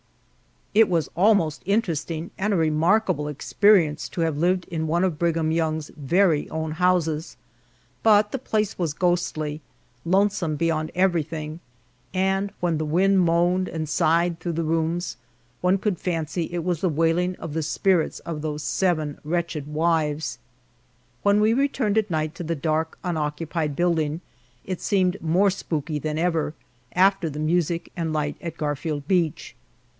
It was all most interesting and a remarkable experience to have lived in one of Brigham Young's very own houses. But the place was ghostly lonesome beyond everything and when the wind moaned and sighed through the rooms one could fancy it was the wailing of the spirits of those seven wretched wives. When we returned at night to the dark, unoccupied building, it seemed more spooky than ever, after the music and light at Garfield Beach.